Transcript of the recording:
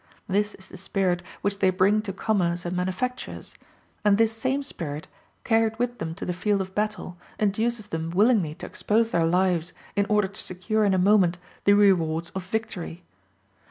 This is the spirit which they bring to commerce and manufactures; and this same spirit, carried with them to the field of battle, induces them willingly to expose their lives in order to secure in a moment the rewards of victory.